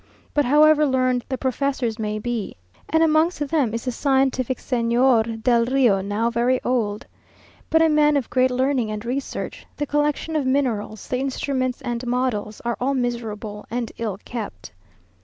But however learned the professors may be, and amongst them is the scientific Señor del Rio, now very old, but a man of great learning and research, the collection of minerals, the instruments and models, are all miserable and ill kept.